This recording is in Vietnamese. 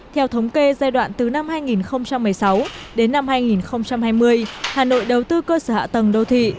theo thống kê giai đoạn từ năm hai nghìn một mươi sáu đến năm hai nghìn hai mươi hà nội đầu tư cơ sở hạ tầng đô thị